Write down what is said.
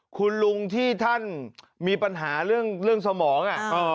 คุณลุงที่ท่านมีปัญหาเรื่องสมอง